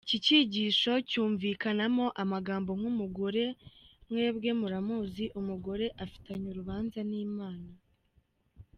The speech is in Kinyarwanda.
Iki kigisho cyumvikanamo amagambo nka “Umugore mwebwe muramuzi? Umugore afitanye urubanza n’ Imana”.